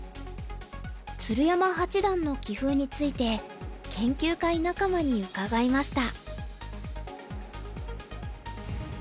鶴山八段の棋風について研究会仲間に伺いました。